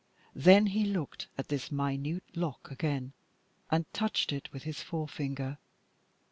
Then he looked at this minute lock again, and touched it with his forefinger.